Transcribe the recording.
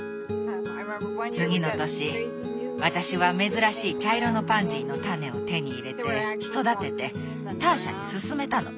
次の年私は珍しい茶色のパンジーの種を手に入れて育ててターシャにすすめたの。